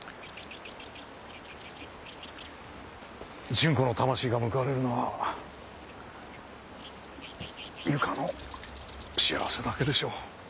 純子の魂が報われるのは由香の幸せだけでしょう。